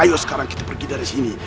ayo sekarang kita pergi dari sini